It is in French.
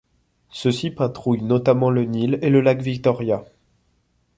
Ceux-ci patrouillent notamment le Nil et le Lac Victoria.